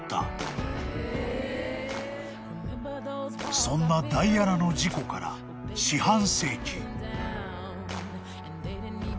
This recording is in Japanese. ［そんなダイアナの事故から四半世紀］